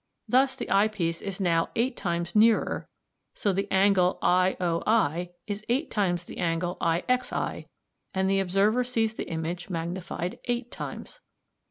Thus the eyepiece is now eight times nearer, so the angle i, o, i is eight times the angle i, x, i, and the observer sees the image magnified eight times.